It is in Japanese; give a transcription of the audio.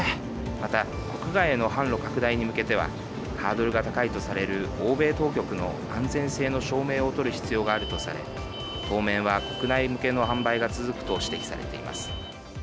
また国外への販路拡大に向けてはハードルが高いとされる欧米当局の安全性の証明を取る必要があるとされ当面は国内向けの販売が続くと指摘されています。